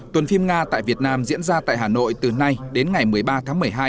tuần phim nga tại việt nam diễn ra tại hà nội từ nay đến ngày một mươi ba tháng một mươi hai